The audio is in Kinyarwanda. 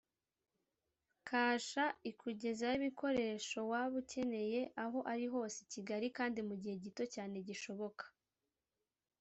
Kasha ikugezaho ibikoresho waba ukeneye aho ariho hose i Kigali kandi mu gihe gito cyane gishoboka